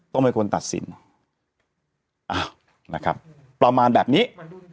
ต้องเป็นคนตัดสินอ้าวนะครับประมาณแบบนี้